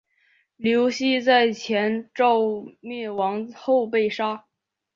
刘熙在前赵灭亡后被杀。